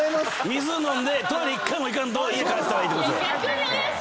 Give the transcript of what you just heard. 水飲んでトイレ１回も行かんと家帰ったらいい。